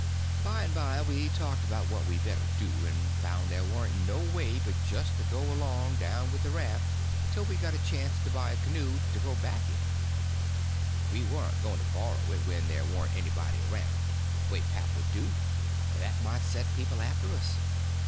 By and by we talked about what we better do, and found there warn't no way but just to go along down with the raft till we got a chance to buy a canoe to go back in. We warn't going to borrow it when there warn't anybody around, the way pap would do, for that might set people after us.